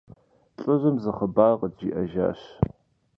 ЛӀыжьым зы хъыбар къыджиӀэжащ.